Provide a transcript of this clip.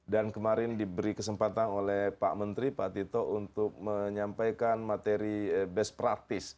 dan kemarin diberi kesempatan oleh pak menteri pak tito untuk menyampaikan materi best practice